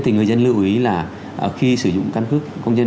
thì người dân lưu ý là khi sử dụng căn cước công dân